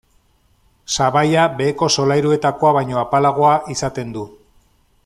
Sabaia beheko solairuetakoa baino apalagoa izaten du.